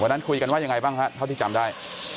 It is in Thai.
วันนั้นคุยกันว่ายังไงบ้างฮะเท่าที่จำได้